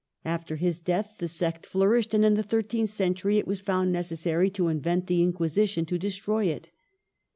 After his death the sect flourished, and in the thirteenth century it was found necessary to invent the Inquisition to de stroy it.